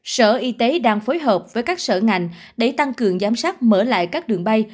sở y tế đang phối hợp với các sở ngành để tăng cường giám sát mở lại các đường bay